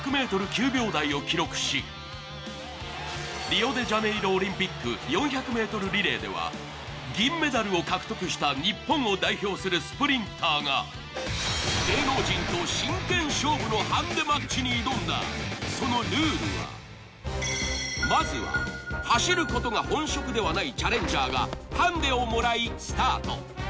リオデジャネイロオリンピック４００ｍリレーでは銀メダルを獲得した日本を代表するスプリンターが芸能人と真剣勝負のハンデマッチに挑んだそのルールはまずは走ることが本職ではないチャレンジャーがハンデをもらいスタート